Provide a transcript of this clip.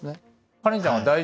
カレンちゃんは大丈夫？